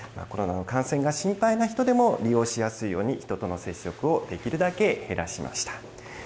コロナの感染が心配な人でも、利用しやすいように、人との接触をできるだけ減らしました。